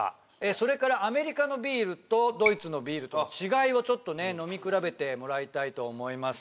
それからアメリカのビールとドイツのビールとの違いをちょっとね飲みくらべてもらいたいと思います